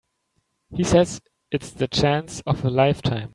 He says it's the chance of a lifetime.